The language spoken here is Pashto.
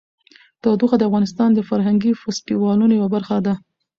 تودوخه د افغانستان د فرهنګي فستیوالونو یوه برخه ده.